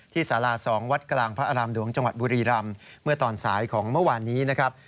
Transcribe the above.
สารา๒วัดกลางพระอารามหลวงจังหวัดบุรีรำเมื่อตอนสายของเมื่อวานนี้นะครับ